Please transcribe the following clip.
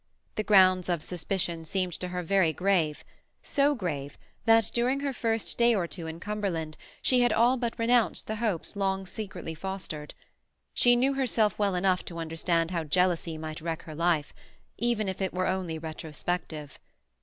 The grounds of suspicion seemed to her very grave; so grave, that during her first day or two in Cumberland she had all but renounced the hopes long secretly fostered. She knew herself well enough to understand how jealousy might wreck her life—even if it were only retrospective.